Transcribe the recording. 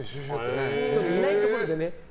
人がいないところでね。